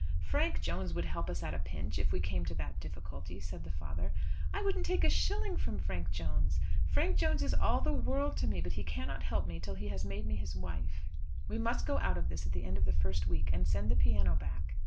"Frank Jones would help us at a pinch if we came to that difficulty," said the father. "I wouldn't take a shilling from Frank Jones. Frank Jones is all the world to me, but he cannot help me till he has made me his wife. We must go out of this at the end of the first week, and send the piano back.